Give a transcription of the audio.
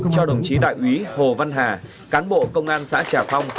cho đồng chí đại úy hồ văn hà cán bộ công an xã trà phong